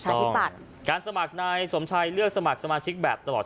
ธิปัตย์การสมัครนายสมชัยเลือกสมัครสมาชิกแบบตลอด